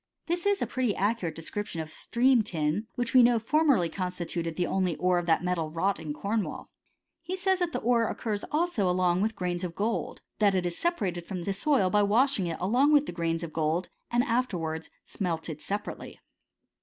This is a pretty ac* curate description of stream tin, which we know for merly constituted the only ore of that metal wrought in Cornwall. He says that the ore occurs also along with grains of gold ; that it is separated from the soU by washing along with the grains of gold, and after wards smelted separately.